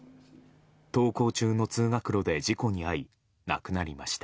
登校中の通学路で事故に遭い亡くなりました。